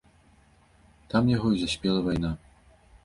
Там яго і заспела вайна.